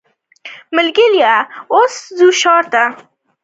ملکې ان بولین هم دلته زنداني وه.